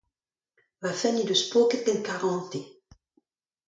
Va fenn he deus poket gant karantez.